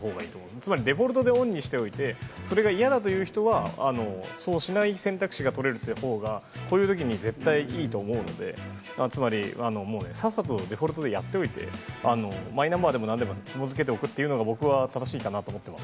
つまりデフォルトでオンにしておいて、それが嫌だという人は、そうしない選択肢が取れるってほうが、こういうときに絶対いいと思うので、つまり、もうね、さっさとデフォルトでやっておいて、マイナンバーでもなんでもひもづけておくっていうのが、僕は正しいかなと思っています。